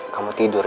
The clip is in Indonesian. kamu tidur ya